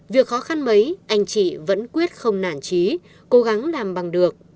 việc khó khăn mấy anh chị vẫn quyết không nản trí cố gắng làm bằng được